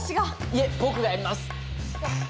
いえ僕がやります。